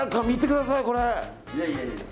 見てください、これ。